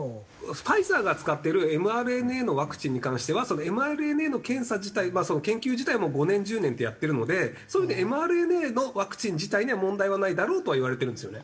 ファイザーが使ってるｍＲＮＡのワクチンに関してはｍＲＮＡの検査自体まあその研究自体も５年１０年ってやってるのでそれでｍＲＮＡのワクチン自体には問題はないだろうとはいわれてるんですよね。